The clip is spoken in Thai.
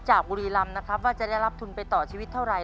บุรีรำนะครับว่าจะได้รับทุนไปต่อชีวิตเท่าไร